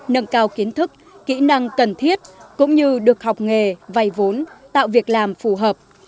nâng cao kiến thức kỹ năng cần thiết cũng như được học nghề vay vốn tạo việc làm phù hợp